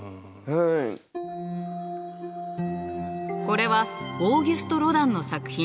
これはオーギュスト・ロダンの作品。